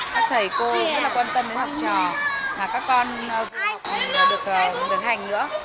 các thầy cô rất là quan tâm đến học trò mà các con được đường hành nữa